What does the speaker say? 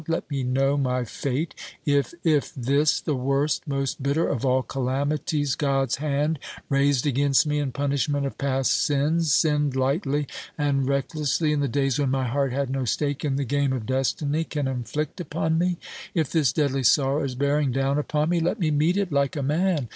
Let me know my fate. If if this, the worst, most bitter of all calamities God's hand raised against me in punishment of past sins, sinned lightly and recklessly, in the days when my heart had no stake in the game of destiny can inflict upon me; if this deadly sorrow is bearing down upon me, let me meet it like a man.